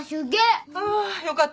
あよかった。